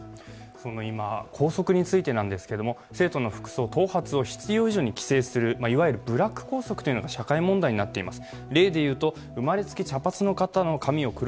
今、校則についてなんですけど生徒の服装、頭髪を必要以上に規制する、いわゆるブラック校則が社会問題になっています。